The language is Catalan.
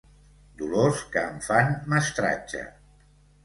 Dolors que em fan mestratge.